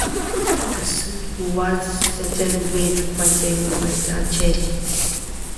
The suit was settled with funding left unchanged.